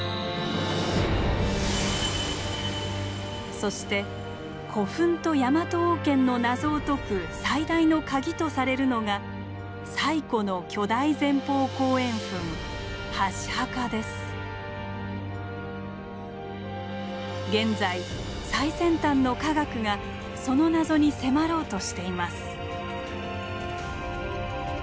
そして古墳とヤマト王権の謎を解く最大のカギとされるのが最古の巨大前方後円墳現在最先端の科学がその謎に迫ろうとしています。